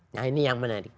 nah ini yang menarik